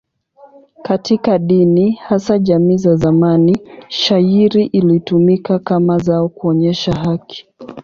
Katika dini, hasa jamii za zamani, shayiri ilitumika kama zao kuonyesha haki.